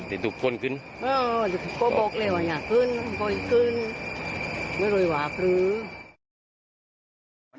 เออถูกคุ้นขึ้นอ๋อก็บอกเลยว่าอยากขึ้นโดยขึ้นไม่โดยหวาคือ